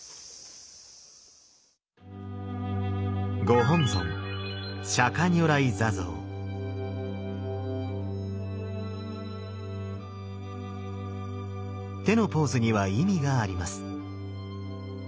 ご本尊手のポーズには意味があります。